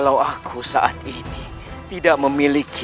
kalau aku saat ini tidak memiliki